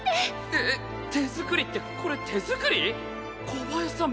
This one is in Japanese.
えっ手作りってこれ手作り⁉小林さん